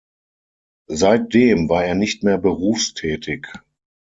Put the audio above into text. Seitdem war er nicht mehr berufstätig.